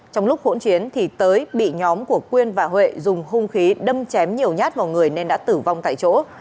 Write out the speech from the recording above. trong lúc hỗn chiến thì tới bị nhóm của quyên và huệ dùng hung khí đâm chém nhiều nhát vào người nên đã tử vong tại chỗ